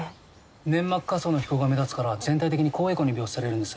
粘膜下層の肥厚が目立つから全体的に高エコーに描出されるんです。